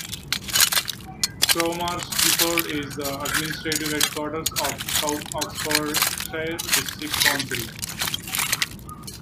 Crowmarsh Gifford is the administrative headquarters of South Oxfordshire District Council.